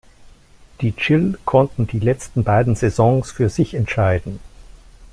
Die Chill konnten die letzten beiden Saisons für sich entscheiden.